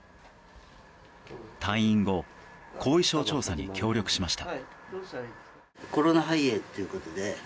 退院後、後遺症調査に協力しました。